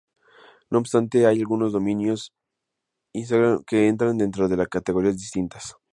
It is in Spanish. No obstante, hay algunos dominios Ig que entran dentro de categorías distintas.